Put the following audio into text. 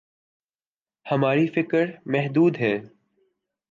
ہماری فکر محدود ہے۔